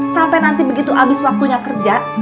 sampai nanti begitu habis waktunya kerja